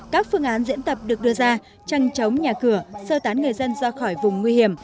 các phương án diễn tập được đưa ra trăng chống nhà cửa sơ tán người dân ra khỏi vùng nguy hiểm